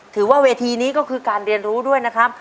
ถือว่าเวทีนี้ก็คือการเรียนรู้ด้วยนะครับ